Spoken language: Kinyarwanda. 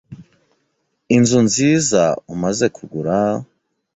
inzu nziza umaze kugura,